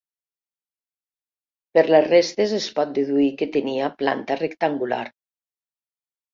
Per les restes es pot deduir que tenia planta rectangular.